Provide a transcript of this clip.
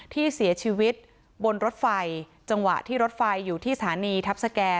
ที่เสียชีวิตบนรถไฟจังหวะที่รถไฟอยู่ที่สถานีทัพสแก่